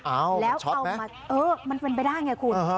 อ้าวมันช็อตไหมเออมันเป็นไปได้ไงคุณ